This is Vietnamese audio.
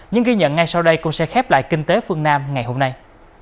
những ghi nhận ngay sau đây cũng sẽ khép lại kinh tế phương nam ngày hôm nay